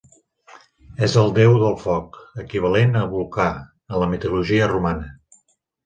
És el déu del foc, equivalent a Vulcà en la mitologia romana.